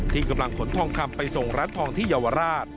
ที่กำลังขนทองคำไปส่งร้านทองที่เยาวราช